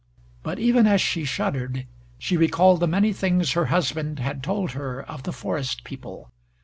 But even as she shuddered she recalled the many things her husband had told her of the forest people.